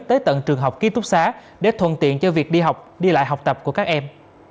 tới tận trường học ký túc xá để thuận tiện cho việc đi học đi lại học tập của các em